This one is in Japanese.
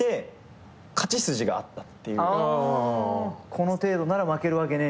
この程度なら負けるわけねえなって。